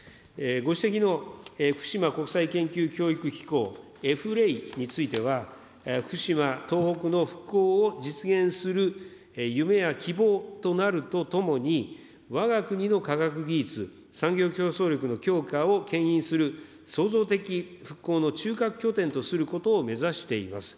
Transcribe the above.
ご指摘の福島国際研究教育機構・エフレイについては、福島、東北の復興を実現する夢や希望となるとともに、わが国の科学技術、産業競争力の強化をけん引する創造的復興の中核拠点とすることを目指しています。